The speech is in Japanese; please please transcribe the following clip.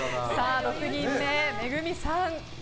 ６人目、めぐみさん。